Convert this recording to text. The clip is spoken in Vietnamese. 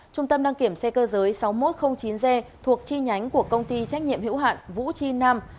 trung tâm đăng kiểm xe cơ giới sáu nghìn một trăm linh chín g thuộc chi nhánh của công ty trách nhiệm hữu hạn vũ chi nam